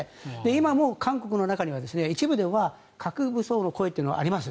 今も韓国の中には、一部では核武装の声というのはあります。